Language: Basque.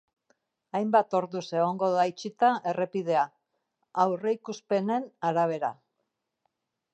Hainbat orduz egongo da itxita errepidea, aurreikuspenen arabera.